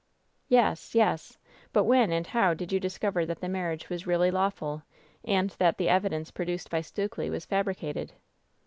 "Yes, yes. But when and how did you discover that the marriage was really lawful, and that the evidence produced by Stukely was fabricated